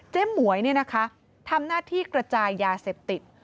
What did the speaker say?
หมวยทำหน้าที่กระจายยาเสพติด